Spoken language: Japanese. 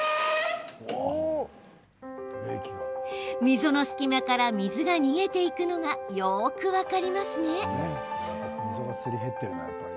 溝の隙間から水が逃げていくのがよく分かりますね。